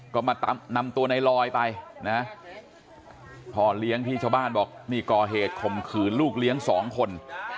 ก็มานำตัวในลอยไปนะพ่อเลี้ยงที่ชาวบ้านบอกนี่ก่อเหตุข่มขืนลูกเลี้ยงสองคน